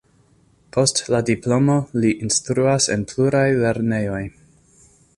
Post la diplomo li instruas en pluraj lernejoj.